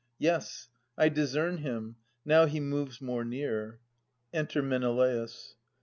Yes; I discern him, now he moves more near. Enter Menelaus.